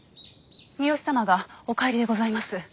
三好様がお帰りでございます。